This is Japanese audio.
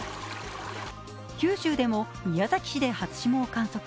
九州でも宮崎市で初霜を観測。